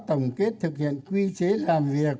tổng kết thực hiện quy chế làm việc